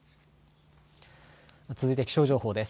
続いて気象情報です。